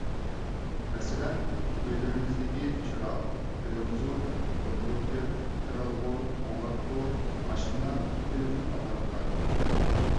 مەسىلەن، ئۆيلىرىمىزدىكى چىراغ، تېلېۋىزور، كومپيۇتېر، كىرئالغۇ، توڭلاتقۇ، ماشىنا، تېلېفون قاتارلىقلار.